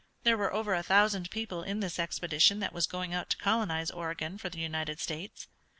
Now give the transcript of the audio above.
There were over a thousand people in this expedition that was going out to colonize Oregon for the United States.